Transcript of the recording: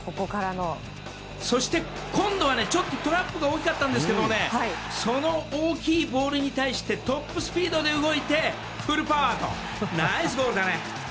そして今度はちょっとトラップが大きかったんですけどその大きいボールに対してトップスピードで動いてフルパワーナイスゴールだね！